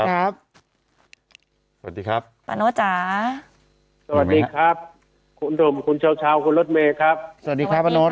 ครับสวัสดีครับปานด์โน้ตจ๋าสวัสดีครับคุณธุ่มคุณเช้าชาวคุณรถเมย์ครับสวัสดีค่ะปานด์โน้ต